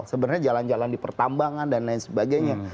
sebenarnya jalan jalan di pertambangan dan lain sebagainya